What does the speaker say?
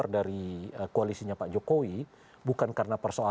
dan juga kedua